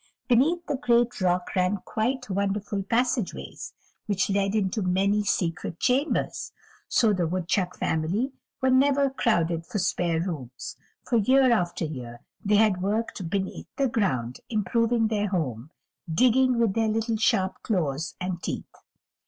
Beneath the great rock ran quite wonderful passageways, which led into many secret chambers; so the woodchuck family were never crowded for spare rooms, for year after year they had worked beneath the ground improving their home, digging with their little sharp claws and teeth.